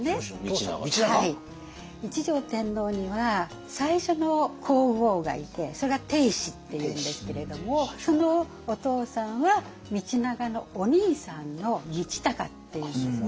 一条天皇には最初の皇后がいてそれが定子っていうんですけれどもそのお父さんは道長のお兄さんの道隆っていうんですね。